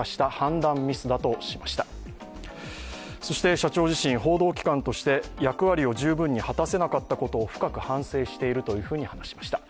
社長自身、報道機関として役割を十分に果たせなかったことを深く反省していると話しました。